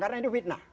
karena itu fitnah